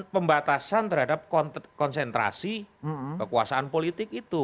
pembatasan terhadap konsentrasi kekuasaan politik itu